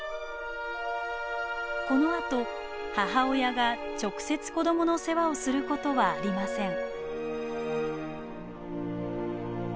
このあと母親が直接子供の世話をする事はありません。